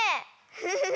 フフフ。